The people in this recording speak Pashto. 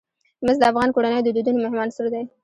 مس د افغان کورنیو د دودونو مهم عنصر دی.